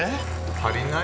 足りない？